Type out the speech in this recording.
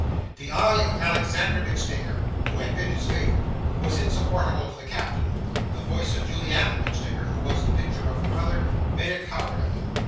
The eye of Alexander MacStinger, who had been his favourite, was insupportable to the Captain; the voice of Juliana MacStinger, who was the picture of her mother, made a coward of him.